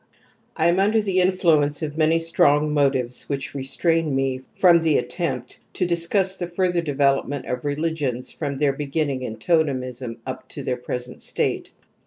I am under the influence of many strong motives which restrain me from the attempt to discuss the further development of religions from their beginning in totemism up to their present state.